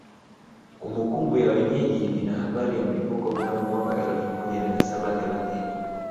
Kumbukumbu ya wenyeji ina habari ya mlipuko mnamo mwaka elfu moja mia saba thelathini